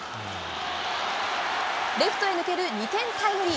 レフトへ抜ける２点タイムリー。